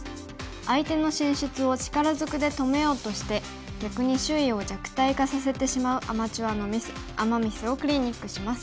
相手の進出を力ずくで止めようとして逆に周囲を弱体化させてしまうアマチュアのミスアマ・ミスをクリニックします。